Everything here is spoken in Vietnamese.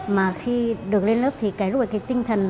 mà khi được lên lớp thì tinh thần lại phấn trấn lên